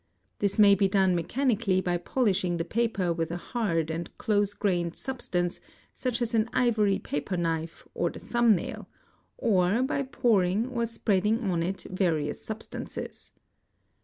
This may be done mechanically by polishing the paper with a hard and close grained _ substance such as an ivory paper knife or the thumb nail, or by pouring or spreading on it various substances.